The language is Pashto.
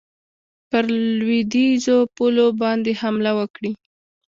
پر لوېدیخو پولو باندي حمله وکړي.